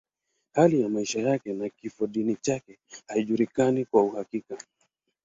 Hali ya maisha na kifodini chake haijulikani kwa uhakika.